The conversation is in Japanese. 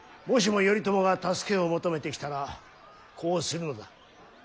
もしも頼朝が助けを求めてきたらこうするのだ。